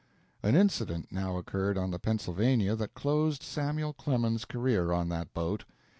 An incident now occurred on the "Pennsylvania" that closed Samuel Clemens's career on that boat.